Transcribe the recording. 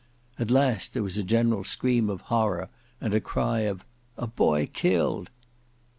At last there was a general scream of horror, and a cry of "a boy killed."